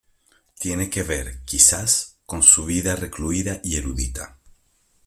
Tiene que ver, quizás, con su vida recluida y erudita.